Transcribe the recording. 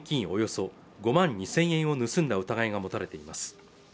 およそ５万２０００円を盗んだ疑いが持たれています